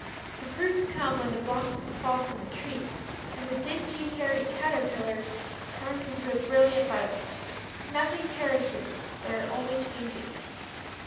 The fruits come when the blossoms fall from the trees; and the dingy, hairy caterpillar turns into a brilliant butterfly. Nothing perishes ... there are only changes....